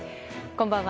こんばんは。